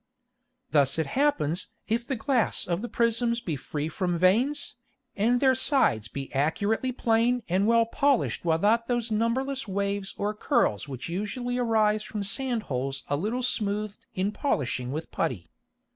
Thus it happens if the Glass of the Prisms be free from Veins, and their sides be accurately plane and well polished without those numberless Waves or Curles which usually arise from Sand holes a little smoothed in polishing with Putty.